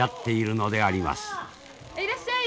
いらっしゃい。